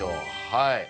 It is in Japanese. はい。